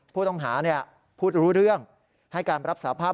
ผู้ต้องหาพูดรู้เรื่องให้การรับสาภาพ